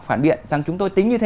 phản biện rằng chúng tôi tính như thế